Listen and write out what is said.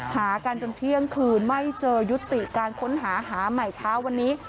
หากันจนเที่ยงคืนไม่เจอยุติการค้นหาหาใหม่เช้าวันนี้